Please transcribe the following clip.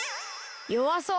よわそう！